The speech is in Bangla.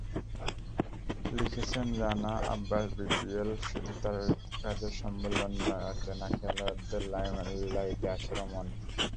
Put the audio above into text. লিখেছেন রানা আব্বাসবিপিএল শুধু তারকাদের সম্মেলন নয়, অচেনা খেলোয়াড়দের লাইমলাইটে আসারও মঞ্চ।